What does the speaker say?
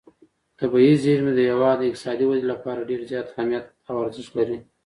طبیعي زیرمې د هېواد د اقتصادي ودې لپاره ډېر زیات اهمیت او ارزښت لري.